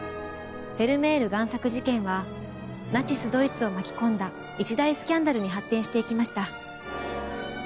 フェルメール贋作事件はナチスドイツを巻き込んだ一大スキャンダルに発展していきました。